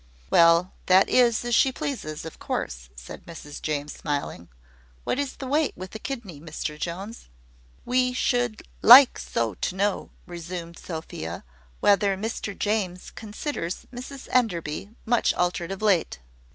"Well, that is as she pleases, of course," said Mrs James, smiling. "What is the weight with the kidney, Mr Jones?" "We should like so to know," resumed Sophia, "whether Mr James considers Mrs Enderby much altered of late."